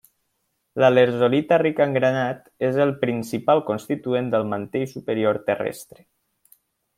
La lherzolita rica en granat és el principal constituent del mantell superior terrestre.